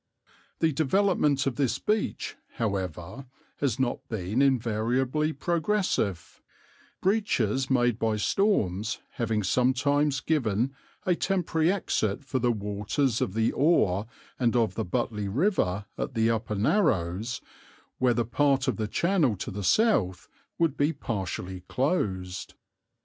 The development of this beach, however, has not been invariably progressive, breaches made by storms having sometimes given a temporary exit for the waters of the Ore and of the Butley River at the Upper Narrows, where the part of the channel to the south would be partially closed.